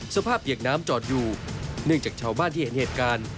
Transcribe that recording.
เปียกน้ำจอดอยู่เนื่องจากชาวบ้านที่เห็นเหตุการณ์